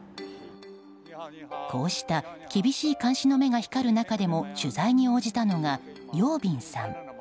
こうした厳しい監視の目が光る中でも取材に応じたのがヨウ・ビンさん。